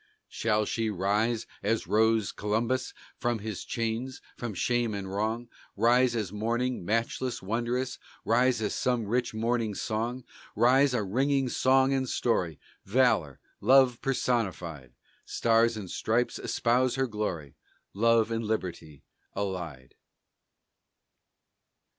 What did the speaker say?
Shall she rise as rose Columbus, From his chains, from shame and wrong Rise as Morning, matchless, wondrous Rise as some rich morning song Rise a ringing song and story, Valor, Love personified? Stars and stripes espouse her glory, Love and Liberty allied.